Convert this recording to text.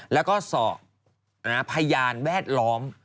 แล้วก็สอบพยานแวดล้อม